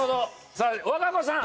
さあ和歌子さん。